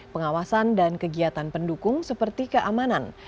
pengawasan dan kegiatan pendukung seperti keamanan